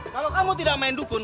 kalau kamu tidak main dukun